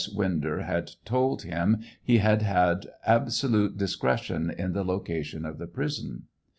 Winder had told him he had had absolute discretion in the location of the prison.